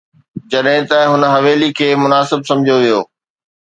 جڏهن ته هن حويلي کي مناسب سمجهيو ويو.